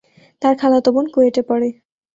তার খালাতো বোন কুয়েটে পড়ে।